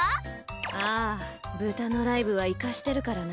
ああ豚のライブはイカしてるからな。